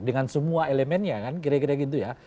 dengan semua elemennya kan kira kira gitu ya